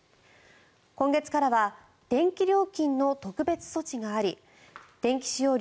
今月からは電気料金の特別措置があり電気使用量